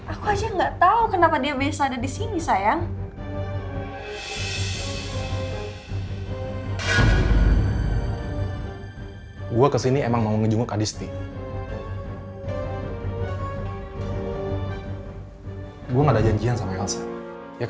aku aja gak tau kenapa dia bisa ada di sini sayang